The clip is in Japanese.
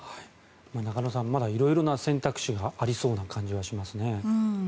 中野さんまだ色々な選択肢がありそうな感じはしますね。